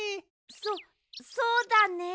そそうだね。